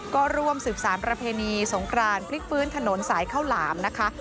ก็ร่วมสืบสารประเพณีสงครานพลิกฟื้นถนนสายข้าวหลามนะคะ